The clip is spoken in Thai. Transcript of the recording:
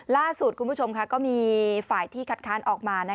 ล่าสุดคุณผู้ชมก็มีฝ่ายที่คัดค้านออกมา